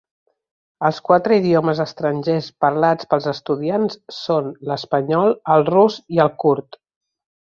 Els quatre idiomes estrangers parlats pels estudiants són l'espanyol, el rus i el curd.